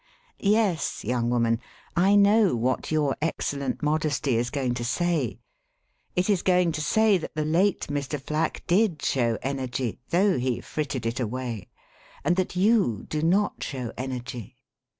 "Yes, young woman; I know what your ex cellent modesty is going to say. It is going to say that the late Mr. Flack did show energy, though he 'fritted it away,' and that you do not show energy.